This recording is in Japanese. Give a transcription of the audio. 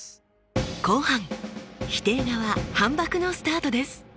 後半否定側反ばくのスタートです！